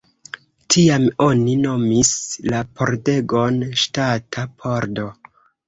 Tiam oni nomis la pordegon Ŝtata Pordo.